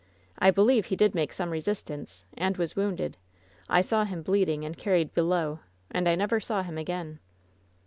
I believe he did make some resistance, and was wounded. I saw him bleeding and carried below, and I never saw him again."